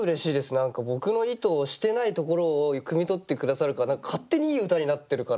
何か僕の意図してないところをくみ取って下さるから勝手にいい歌になってるから。